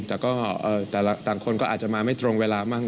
แต่ก็ต่างคนก็อาจจะมาไม่ตรงเวลามั่ง